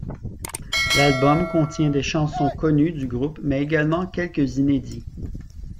L'album contient des chansons connues du groupe mais également quelques inédits.